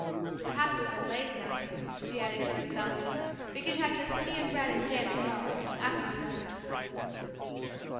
Perhaps if we're late enough," she added to herself, "we can have just tea and bread and jam alone, after the others."